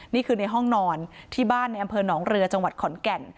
นี่คือในห้องนอนที่บ้านในอำเภอหนองเรือจังหวัดขอนแก่น